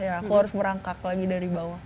aku harus merangkak lagi dari bawah